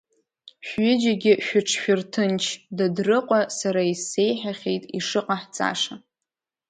Шәҩыџьагьы шәыҽшәырҭынч, Дадрыҟәа сара исеиҳәахьеит ишыҟаҳҵаша!